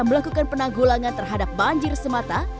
melakukan penanggulangan terhadap banjir semata